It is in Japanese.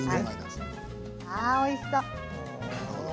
ああ、おいしそう。